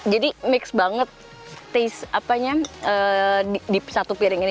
jadi mix banget taste di satu piring ini